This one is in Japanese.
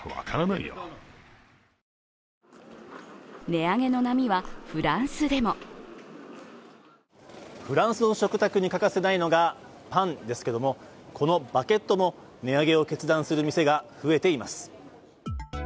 値上げの波はフランスでもフランスの食卓に欠かせないのがパンですけれども、このバゲットの値上げを決断する店が増えています。